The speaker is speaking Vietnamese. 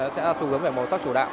sẽ xu hướng về màu sắc chủ đạo